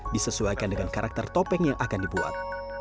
disesuaikan dengan karakter topeng yang akan dibuat